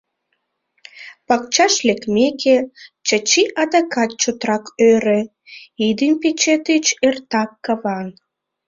Пакчаш лекмеке, Чачи адакат чотрак ӧрӧ: идым пече тич эртак каван.